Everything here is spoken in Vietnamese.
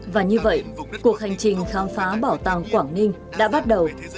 và như vậy cuộc hành trình khám phá bảo tàng quảng ninh đã bắt đầu